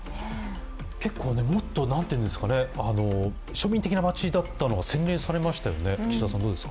結構もっと庶民的な街だったのが洗練されましたよね。